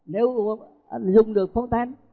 nếu dùng được phong tan